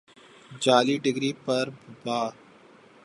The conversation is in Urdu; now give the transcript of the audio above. جعلی ڈگری پر بھا